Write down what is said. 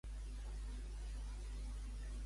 Com es va comportar el poni?